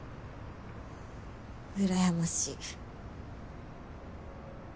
うらやましい。